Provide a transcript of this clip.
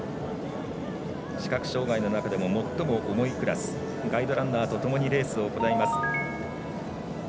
視覚障がいの中でも最も重いクラスガイドランナーとともにレースを行います。